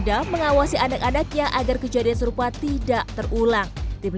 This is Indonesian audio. dan juga mengawasi anak anaknya agar kejadian serupa tidak terulang